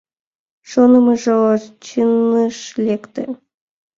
Шонымыжо чыныш лекте.